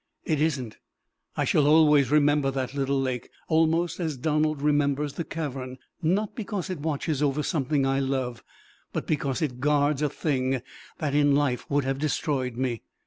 It isn't. I shall always remember that little lake, almost as Donald remembers the cavern not because it watches over something I love, but because it guards a thing that in life would have destroyed me!